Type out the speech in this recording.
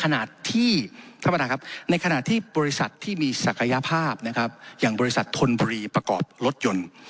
ในขณะที่บริษัทที่มีศักยภาพอย่างบริษัทธนบรีประกอบรถยนต์